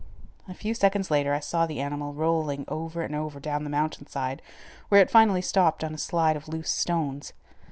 A few seconds later I saw the animal rolling over and over down the mountain side, where it finally stopped on a slide of loose stones.